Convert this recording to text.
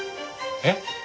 えっ？